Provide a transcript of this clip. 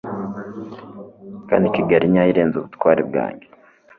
kandi kigali nyayo irenze ubutwari bwanjye